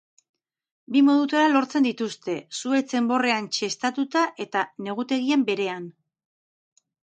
Bi modutara lortzen dituzte, zuhaitz enborrean txestatuta eta negutegian berean.